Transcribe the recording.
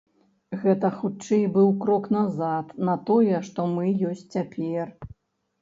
Гэта хутчэй быў крок назад на тое, што мы ёсць цяпер.